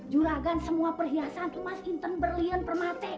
juragan semua perhiasan emas inten berlian permate